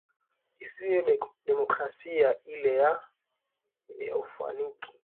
isiwe democrasi ile ya ya yaunafiki